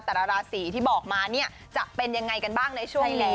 แต่ละราศีที่บอกมาเนี่ยจะเป็นยังไงกันบ้างในช่วงนี้